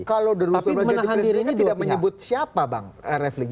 kalau dato' masjid ini menjadi presiden kan tidak menyebut siapa bang refleksi